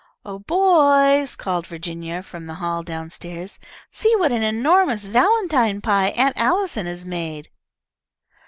"Oh, boys," called Virginia from the hall down stairs. "See what an enormous valentine pie Aunt Allison has made!"